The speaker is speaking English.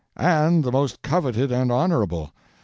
"And the most coveted and honorable.